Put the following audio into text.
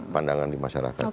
pandangan di masyarakat